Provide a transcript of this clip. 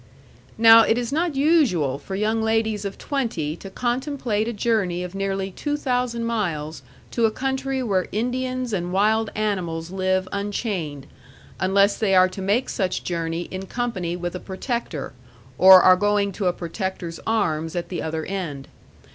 Now, it is not usual for young ladies of twenty to contemplate a journey of nearly two thousand miles to a country where Indians and wild animals live unchained, unless they are to make such journey in company with a protector, or are going to a protector's arms at the other end.